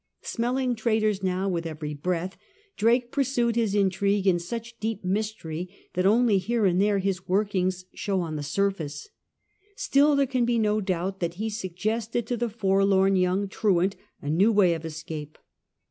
Smelling traitors now with every breath, Drake pursued his in trigue in such deep mystery that only here and there his workings showed on the surface. Still there can be no doubt that he suggested to the forlorn young truant a new way of escape.